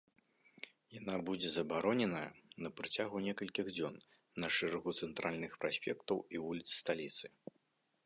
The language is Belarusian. Яна будзе забароненая на працягу некалькіх дзён на шэрагу цэнтральных праспектаў і вуліц сталіцы.